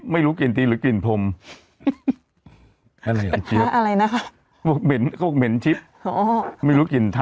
ไม่รู้กลิ่นเท้าหรือกลิ่นพรมอะไรอย่างเงี้ย